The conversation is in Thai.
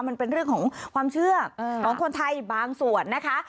มันเป็นเรื่องของความเชื่อของคนไทยบางส่วนนะคะ